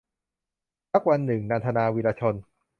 สักวันหนึ่ง - นันทนา วีระชน